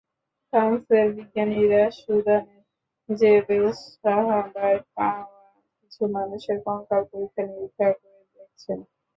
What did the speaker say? ফ্রান্সের বিজ্ঞানীরা সুদানের জেবেল সাহাবায় পাওয়া কিছু মানুষের কঙ্কাল পরীক্ষা-নিরীক্ষা করে দেখছেন।